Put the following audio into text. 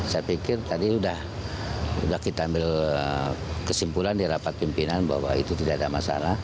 saya pikir tadi sudah kita ambil kesimpulan di rapat pimpinan bahwa itu tidak ada masalah